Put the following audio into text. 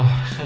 ini ini renda